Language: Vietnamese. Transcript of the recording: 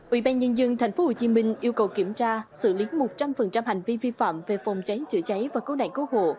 ủy ban nhân dân tp hcm yêu cầu kiểm tra xử lý một trăm linh hành vi vi phạm về phòng cháy chữa cháy và cứu nạn cứu hộ